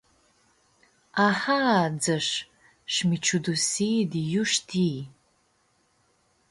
“Aha”, dzãsh sh-mi ciudusii di iu shtii.